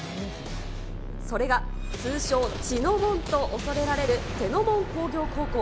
それが、通称、血の門と恐れられる瀬ノ門工業高校。